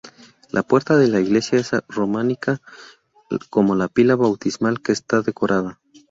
La puerta de la iglesia es románica, como la pila bautismal que está decorada.